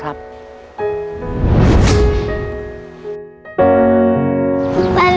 ไปกันกันหนูกันเอง